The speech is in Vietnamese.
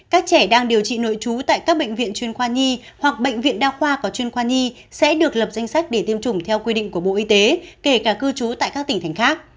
các trẻ đang điều trị nội trú tại các bệnh viện chuyên khoa nhi hoặc bệnh viện đa khoa có chuyên khoa nhi sẽ được lập danh sách để tiêm chủng theo quy định của bộ y tế kể cả cư trú tại các tỉnh thành khác